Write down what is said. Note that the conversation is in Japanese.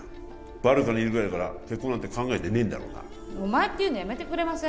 バルカにいるぐらいだから結婚なんて考えてねえんだろうなお前っていうのやめてくれません？